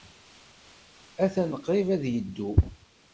Atan qrib ad yeddu.